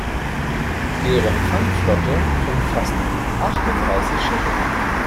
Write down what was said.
Deren Fangflotte umfasst achtunddreißig Schiffe.